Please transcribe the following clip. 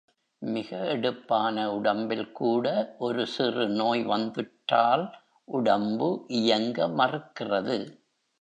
மிக எடுப்பான உடம்பில் கூட ஒரு சிறு நோய் வந்துற்றால் உடம்பு இயங்க மறுக்கிறது.